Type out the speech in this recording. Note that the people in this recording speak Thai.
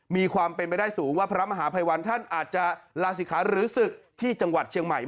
มีความเป็นไปได้สูงว่าพระมหาภัยวันท่านอาจจะลาศิขาหรือศึกที่จังหวัดเชียงใหม่